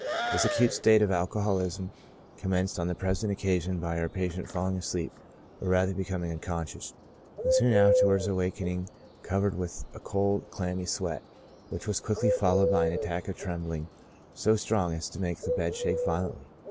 This acute state of alcoholism com menced on the present occasion by our patient falling asleep, or rather becoming unconscious, and soon afterwards awak ing covered with a cold, clammy sweat, which was quickly followed by an attack of trembling so strong as to make the bed shake violently.